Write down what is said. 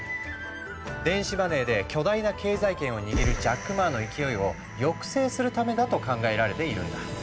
電子マネーで巨大な経済圏を握るジャック・マーの勢いを抑制するためだと考えられているんだ。